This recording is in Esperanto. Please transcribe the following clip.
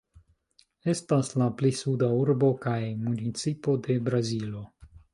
Estas la pli suda urbo kaj municipo de Brazilo.